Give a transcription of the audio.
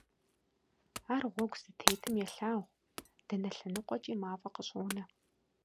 Ар гъуэгу здытетым, елъагъу: дэнэ лъэныкъуэкӀи мафӀэ къыщӀонэ.